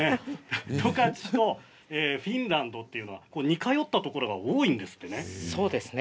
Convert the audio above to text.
十勝とフィンランドというのは似通ったところが多いんですよね。